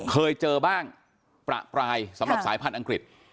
เคยเจอบ้างประปรายสำหรับสายพันธุ์อังกฤษ